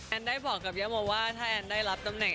ได้บอกกับย่าโมว่าถ้าแอนได้รับตำแหน